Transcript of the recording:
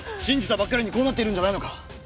信じたばっかりにこうなっているんじゃないのか？